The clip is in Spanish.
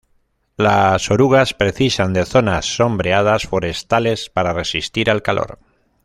Las orugas precisan de zonas sombreadas forestales para resistir al calor.